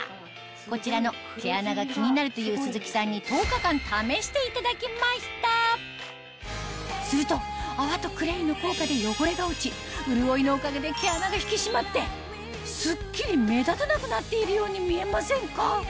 こちらの毛穴が気になるという鈴木さんに１０日間試していただきましたすると泡とクレイの効果で汚れが落ち潤いのおかげで毛穴が引き締まってスッキリ目立たなくなっているように見えませんか？